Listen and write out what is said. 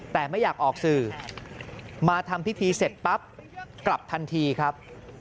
แต่ไม่อยากออกสื่อมาทำพิธีเสร็จปั๊บกลับทันทีครับ